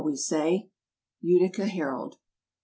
we say. _Utica Herald.